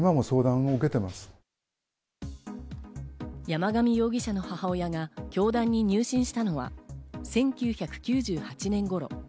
山上容疑者の母親が教団に入信したのは１９９８年頃。